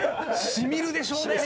染みるでしょうね。